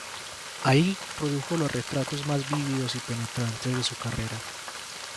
Ahí produjo los retratos más vívidos y penetrantes de su carrera.